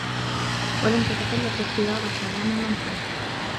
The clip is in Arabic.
وَلَمْ تَتَكَلَّفْ اخْتِيَارَ الْكَلَامِ الْمَنْثُورِ